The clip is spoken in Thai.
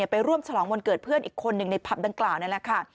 ไปร่วมฉลองวันเกิดเพื่อนอีกคนหนึ่งในผับดังกล่าวนั่นแหละค่ะ